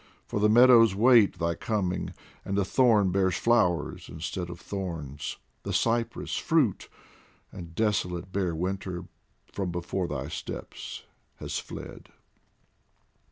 for the meadows wait Thy coming, and the thorn bears flowers instead Of thorns, the cypress fruit, and desolate Bare winter from before thy steps has fled.